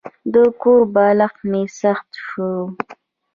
د کور بالښت مې سخت شوی و.